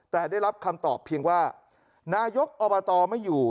แต่ได้รับคำตอบเพียงว่านายกอบตไม่อยู่